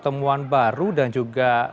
temuan baru dan juga